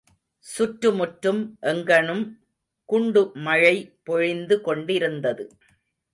சுற்று முற்றும், எங்கனும் குண்டு மழை பொழிந்து கொண்டிருந்தது.